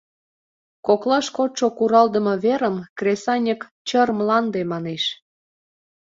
— Коклаш кодшо куралдыме верым кресаньык чыр мланде манеш.